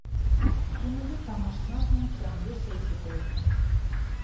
Күңелле тамашанан һуң тәмле сәй көтә ине.